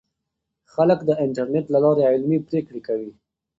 خلک د انټرنیټ له لارې علمي پریکړې کوي.